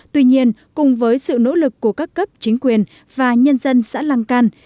tuy nhiên cùng với sự nỗ lực của các cấp chính quyền và nhân dân xã lăng can